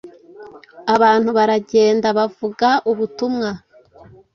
Abantu baragenda bavuga ubutumwa.